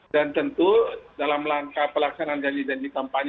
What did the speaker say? dan tentu dalam langkah pelaksanaan janji janji kampanye